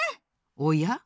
おや？